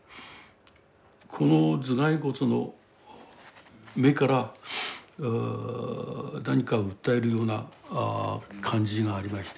この頭蓋骨の目から何かを訴えるような感じがありまして。